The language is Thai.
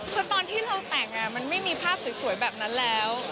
คือตอนที่เราแต่งมันไม่มีภาพสวยแบบนั้นแล้ว